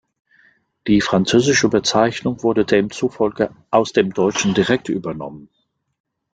Die französische Bezeichnung wurde demzufolge aus der deutschen direkt übernommen.